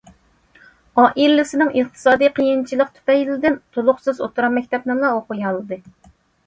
ئائىلىسىنىڭ ئىقتىسادىي قىيىنچىلىق تۈپەيلىدىن تولۇقسىز ئوتتۇرا مەكتەپنىلا ئوقۇيالىدى.